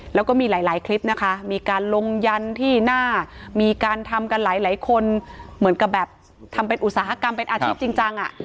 แล้วก็มีหลายคลิปนะคะมีการลงยันที่หน้ามีการทำกันหลายคนเหมือนกับแบบทำเป็นอุตสาหกรรมเป็นอาชีพจริงจังอ่ะ